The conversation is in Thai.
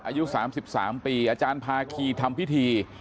อายุ๓๓ปีอาจารย์ภาคีทำพิธี